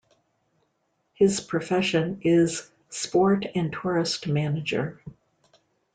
His profession is Sport- and Tourist manager.